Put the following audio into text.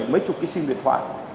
mấy chục cái sim điện thoại